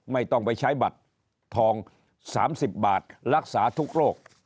ไม่ต้องไปใช้บัตรทอง๓๐บาทรักษาทุกโรค